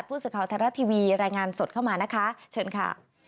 พูดสุดข่าวธรรมดาทีวีรายงานสดเข้ามานะคะเชิญค่ะ